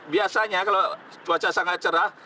biasanya kalau cuaca sangat cerah